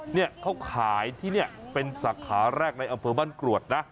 เนี่ยเขาขายที่นี่เป็นสาขาแรกในอำเภอบ้านกรวดนะ